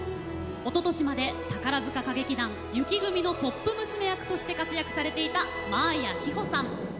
おととしまで宝塚歌劇団雪組のトップ娘役として活躍されていた真彩希帆さん。